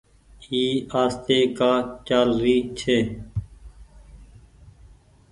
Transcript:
اي آستي ڪآ چآل ري ڇي۔